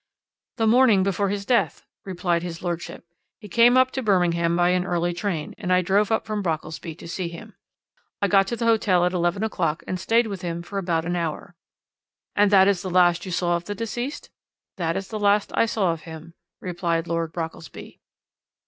"'The morning before his death,' replied his lordship, 'he came up to Birmingham by an early train, and I drove up from Brockelsby to see him. I got to the hotel at eleven o'clock and stayed with him for about an hour.' "'And that is the last you saw of the deceased?' "'That is the last I saw of him,' replied Lord Brockelsby.